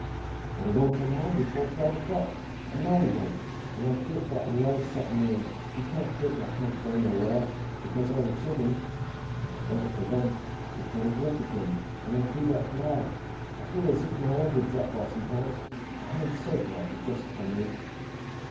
But he won't come before twelve o'clock; I know he won't. An' I get that low sittin' 'ere, you can't think! I can't go nowhere, because o' the children. If it wasn't for them I could go to work again, an' I'd be that glad; I feel as if my 'ed would drop off sometimes! I ham so glad you just come in!